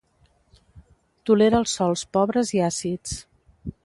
Tolera els sòls pobres i àcids.